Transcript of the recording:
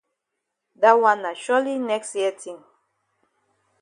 Dat wan na surely next year tin.